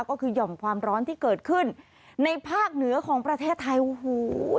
ก็คือห่อมความร้อนที่เกิดขึ้นในภาคเหนือของประเทศไทยโอ้โห